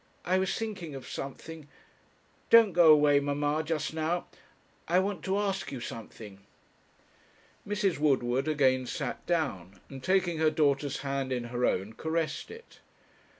I was thinking of something. Don't go away, mamma, just now. I want to ask you something.' Mrs. Woodward again sat down, and taking her daughter's hand in her own, caressed it.